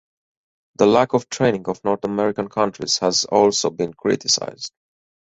The lack of training of North American countries has also been criticized.